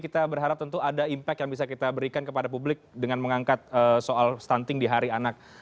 kita berharap tentu ada impact yang bisa kita berikan kepada publik dengan mengangkat soal stunting di hari anak